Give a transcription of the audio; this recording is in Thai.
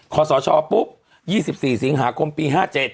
ขอสชปุ๊บ๒๔สิงหาคมปี๕๗